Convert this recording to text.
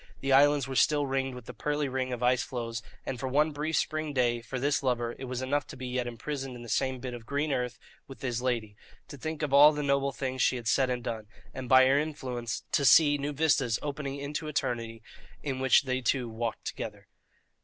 The islands were still ringed with the pearly ring of ice floes, and for one brief spring day, for this lover, it was enough to be yet imprisoned in the same bit of green earth with his lady, to think of all the noble things she had said and done, and, by her influence, to see new vistas opening into eternity in which they two walked together.